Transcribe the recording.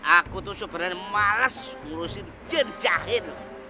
aku tuh sebenernya males ngurusin jin jahil